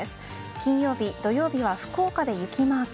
金曜日、土曜日は福岡で雪マーク。